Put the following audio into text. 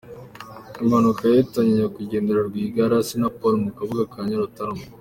Impanuka yahitanye Nyakwigendera Rwigara Assinapol mu kabuga ka Nyarutarama